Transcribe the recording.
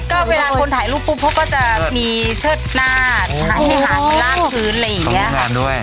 ก็เวลาคนถ่ายรูปปุ๊บเขาก็จะมีเชิดหน้าถ่ายวิหารล่างพื้นอะไรอย่างนี้